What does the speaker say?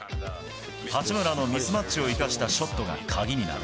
八村のミスマッチを生かしたショットが鍵になる。